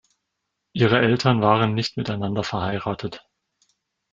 Ihre Eltern waren nicht miteinander verheiratet.